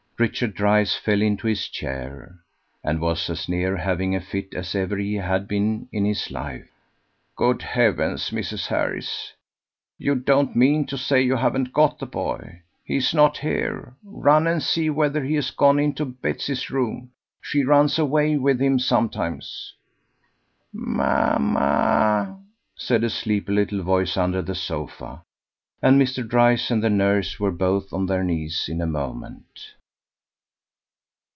Richard Dryce fell into his chair, and was as near having a fit as ever he had been in his life. "Good heaven! Mrs. Harris you don't mean to say you haven't got the boy. He's not here; run and see whether he has gone into Betsy's room; she runs away with him sometimes." "Mamma!" said a sleepy little voice under the sofa, and Mr. Dryce and the nurse were both on their knees in a moment.